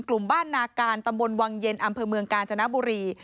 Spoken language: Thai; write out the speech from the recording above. กลุ่มบ้านนาการตำบลวังเย็นอำเภอเมืองกาญจนบุรี